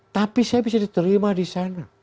tapi saya bisa diterima di sana